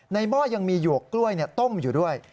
หม้อยังมีหยวกกล้วยต้มอยู่ด้วย